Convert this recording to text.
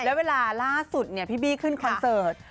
แล้วเวลาล่าสุดพี่บี้ขึ้นคอนเสิร์ต